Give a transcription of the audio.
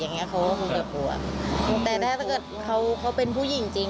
เขาก็คงจะกลัวแต่ถ้าถ้าเกิดเขาเขาเป็นผู้หญิงจริง